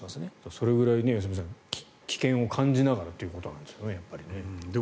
それぐらい良純さん危険を感じながらということなんでしょうね。